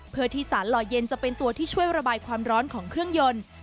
เพื่อที่สารลอยเย็นจะเป็นตัวที่ช่วยระบายความร้อนของเครื่องยนต์